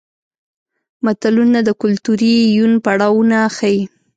متلونه د کولتوري یون پړاوونه ښيي